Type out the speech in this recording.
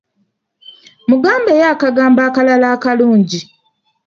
Mugambeyo akagambo akalala akalungi.